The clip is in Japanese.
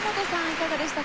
いかがでしたか？